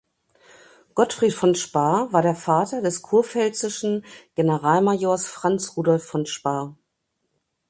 Gottfried von Sparr war der Vater des kurpfälzischen Generalmajors Franz Rudolph von Sparr.